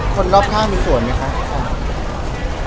คนรอบข้างมีส่วนไหมคะ